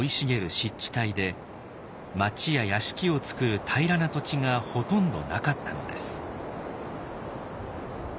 湿地帯で町や屋敷をつくる平らな土地がほとんどなかったのです。